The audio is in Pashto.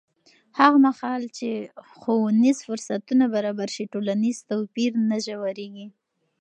هغه مهال چې ښوونیز فرصتونه برابر شي، ټولنیز توپیر نه ژورېږي.